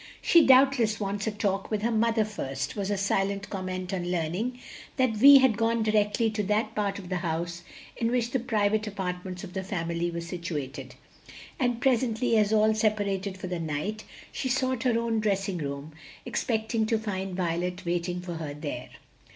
"She doubtless wants a talk with her mother first," was her silent comment on learning that Vi had gone directly to that part of the house in which the private apartments of the family were situated, and presently, as all separated for the night, she sought her own dressing room, expecting to find Violet waiting for her there.